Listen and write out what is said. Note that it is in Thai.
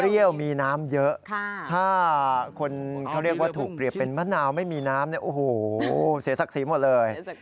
มีน้ำเยอะถ้าคนเขาเรียกว่าถูกเปรียบเป็นมะนาวไม่มีน้ำเนี่ยโอ้โหเสียศักดิ์ศรีหมดเลย